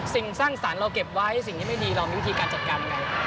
สิ่งสร้างสรรค์เราเก็บไว้สิ่งที่ไม่ดีเรามีวิธีการจัดการไง